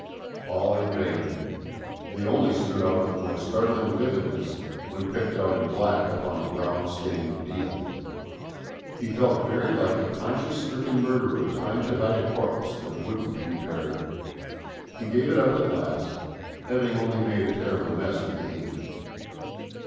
All in vain; they only stood out with more startling vividness when picked out in black upon the brown stained deal. He felt very like a conscience stricken murderer trying to hide a corpse that wouldn't be buried. He gave it up at last, having only made a terrible mess with the ink.